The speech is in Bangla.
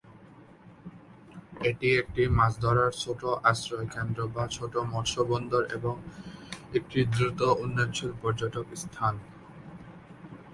এটি একটি মাছ ধরার ছোট আশ্রয় কেন্দ্র বা ছোট মৎস বন্দর এবং একটি দ্রুত উন্নয়নশীল পর্যটক স্থান।